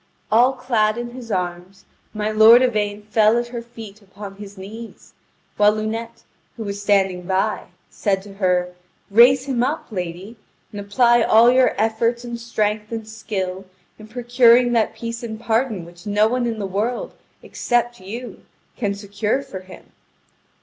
All clad in his arms, my lord Yvain fell at her feet upon his knees, while Lunete, who was standing by, said to her: "Raise him up, lady, and apply all your efforts and strength and skill in procuring that peace and pardon which no one in the world, except you, can secure for him."